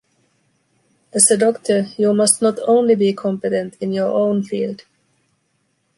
As a doctor, you must not only be competent in your own field.